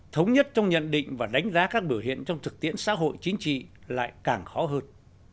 thống nhất trong nhận định và đánh giá các biểu hiện trong thực tiễn xã hội chính trị lại càng khó hơn